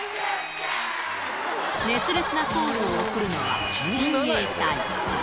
熱烈なコールを送るのは親衛隊。